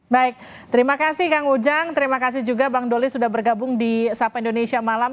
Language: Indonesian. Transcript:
baik terima kasih kang ujang terima kasih juga bang doli sudah bergabung di sapa indonesia malam